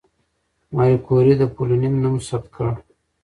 ماري کوري د پولونیم نوم ثبت کړ.